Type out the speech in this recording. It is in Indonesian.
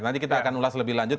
nanti kita akan ulas lebih lanjut